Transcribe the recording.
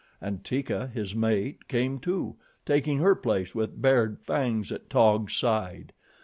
And Teeka, his mate, came too, taking her place with bared fangs at Taug's side.